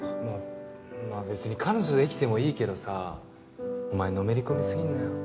まあ別に彼女できてもいいけどさお前のめり込み過ぎんなよ？